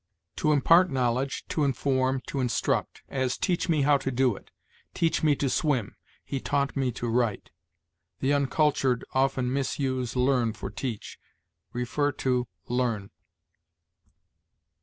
To impart knowledge, to inform, to instruct; as, "Teach me how to do it"; "Teach me to swim"; "He taught me to write." The uncultured often misuse learn for teach. See LEARN.